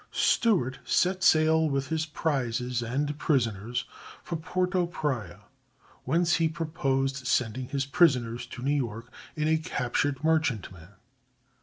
Stewart set sail with his prizes and prisoners for Porto Praya, whence he purposed sending his prisoners to New York in a captured merchantman.